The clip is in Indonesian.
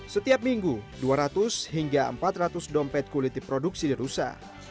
setiap minggu dua ratus hingga empat ratus dompet kuliti produksi di rusa